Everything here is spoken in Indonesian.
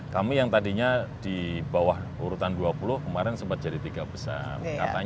kami yang tadinya di bawah urutan dua puluh kemarin sempat jadi tiga besar